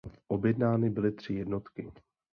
Objednány byly tři jednotky.